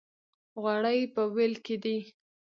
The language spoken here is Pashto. غوړي په وېل کې دي.